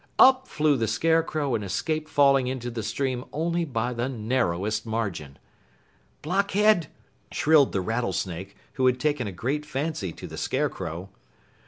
Up flew the Scarecrow and escaped falling into the stream only by the narrowest margin. "Blockhead!" shrilled the Rattlesnake, who had taken a great fancy to the Scarecrow.